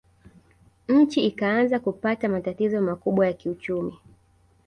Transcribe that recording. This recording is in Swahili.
Nchi ikaanza kupata matatizo makubwa ya kiuchumi